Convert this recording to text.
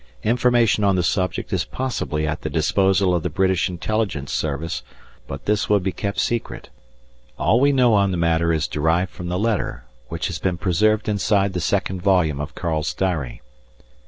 Information on the subject is possibly at the disposal of the British Intelligence Service, but this would be kept secret. All we know on the matter is derived from the letter, which has been preserved inside the second volume of Karl's diary.